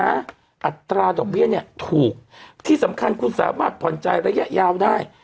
อัตราดอกเบี้ยเนี่ยถูกที่สำคัญคุณสามารถผ่อนจ่ายระยะยาวได้